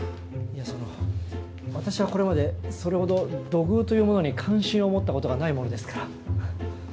いやその私はこれまでそれほど土偶というものに関心を持ったことがないものですから。